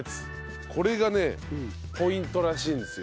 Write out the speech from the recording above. これがねポイントらしいんですよ。